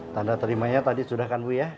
tanda terima nya tadi sudah kan bu ya